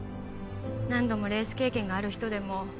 何度もレース経験がある人でも